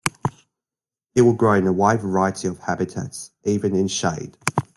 It will grow in a wide variety of habitats, even in shade.